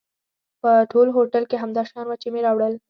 په ټول هوټل کې همدا شیان و چې مې راوړل.